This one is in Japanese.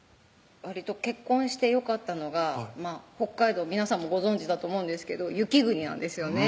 わりと結婚してよかったのが北海道皆さんもご存じだと思うんですけど雪国なんですよね